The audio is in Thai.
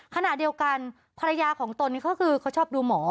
ขณะเดียวกันภรรยาของตนนี่ก็คือเขาชอบดูหมอ